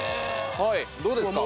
はいどうですか？